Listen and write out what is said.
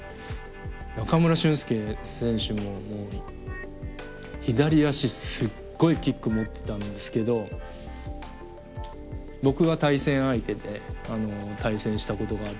中村俊輔選手ももう左足すっごいキック持ってたんですけど僕は対戦相手で対戦したことがあって。